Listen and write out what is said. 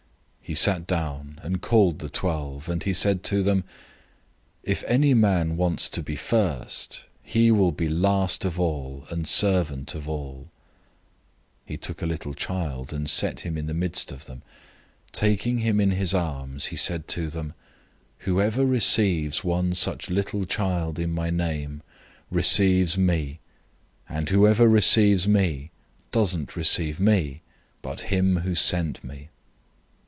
009:035 He sat down, and called the twelve; and he said to them, "If any man wants to be first, he shall be last of all, and servant of all." 009:036 He took a little child, and set him in the midst of them. Taking him in his arms, he said to them, 009:037 "Whoever receives one such little child in my name, receives me, and whoever receives me, doesn't receive me, but him who sent me."